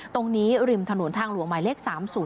ริมถนนทางหลวงหมายเลข๓๐